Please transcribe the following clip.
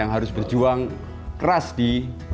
harus berjuang keras di dua ribu dua puluh empat